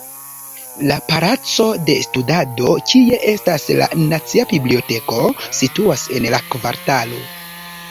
La palaco de studado, kie estas la nacia biblioteko situas en la kvartalo.